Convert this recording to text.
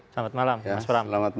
selamat malam mas pram